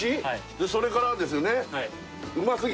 それからですよね